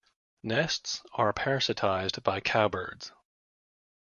Nests are parasitized by cowbirds.